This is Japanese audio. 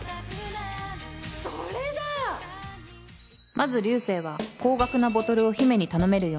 まず流星は高額なボトルを姫に頼めるように